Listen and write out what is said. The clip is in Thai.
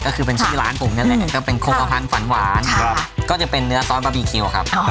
ก็คือเป็นชื่อร้านผมนั่นแหละก็เป็นโครงขพันธ์ฝันหวานก็จะเป็นเนื้อซอสบาร์บีคิวครับ